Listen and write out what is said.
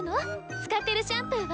使ってるシャンプーは？